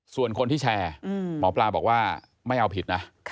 ส่วนคนที่แชร์หมอปลาบอกว่าไม่เอาผิดนะ